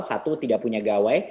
satu tidak punya gawai